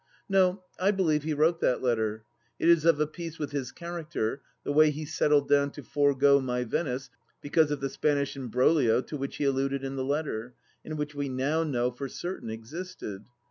... No, I believe he wrote that letter. It is of a piece with his character, the way he settled down to forego my Venice because of the Spanish embroglio to which he alluded in the letter, and which we now know for certain existed.